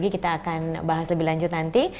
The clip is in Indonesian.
kita akan bahas lebih lanjut nanti